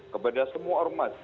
kepada semua ormas